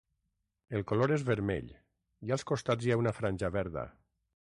El color és vermell, i als costats hi ha una franja verda.